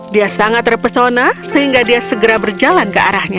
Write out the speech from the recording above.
dia sangat terpesona sehingga dia segera berjalan ke arahnya